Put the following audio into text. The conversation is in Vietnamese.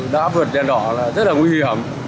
đã vượt đèn đỏ là rất là nguy hiểm